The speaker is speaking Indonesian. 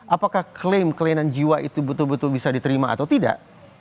apakah klaim kelainan jiwa itu betul betul bisa diterima atau tidak